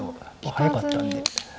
早かったんで。